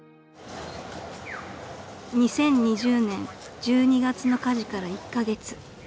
［２０２０年１２月の火事から１カ月］